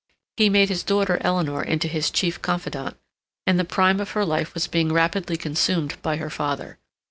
He made his daughter Eleanor into his chief confidante, and the prime of her life was being rapidly consumed by her father.